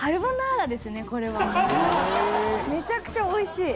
めちゃくちゃおいしい？